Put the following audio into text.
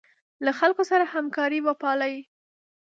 له خلکو سره همکاري وپالئ.